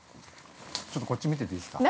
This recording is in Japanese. ちょっとこっち見てていいですか。